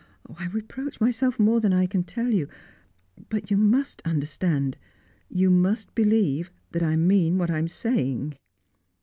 "I reproach myself more than I can tell you. But you must understand you must believe that I mean what I am saying!"